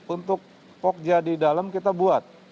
untuk pokja di dalam kita buat